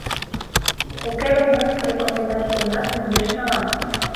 Уке гын мый рекомендацийымат мӧҥгеш налам...